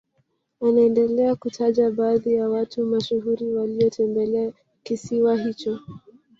Anaendelea kutaja baadhi ya watu mashuhuri waliotembelea kisiwa hicho